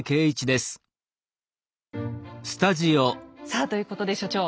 さあということで所長。